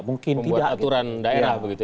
membuat aturan daerah begitu